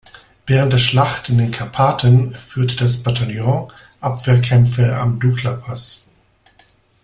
Während der Schlacht in den Karpaten führte das Bataillon Abwehrkämpfe am Duklapass.